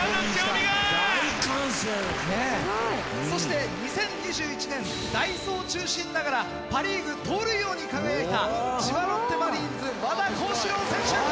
そして２０２１年代走中心ながらパ・リーグ盗塁王に輝いた千葉ロッテマリーンズ・和田康士朗選手。